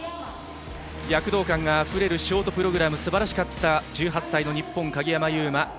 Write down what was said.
躍動感があふれるショートプログラムすばらしかった１８歳の鍵山優真